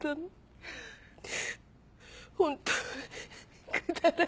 本当。